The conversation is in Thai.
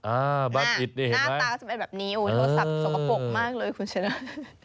อ่าบ้านอิตนี่เห็นไหมโอ้โธ่โทรศัพท์สกปรกมากเลยคุณเชน้า